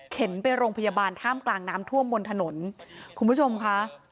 ไปโรงพยาบาลท่ามกลางน้ำท่วมบนถนนคุณผู้ชมค่ะ